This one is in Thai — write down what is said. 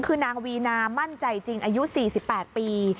คือนางวีนามั่นใจจริงอายุ๔๘ปี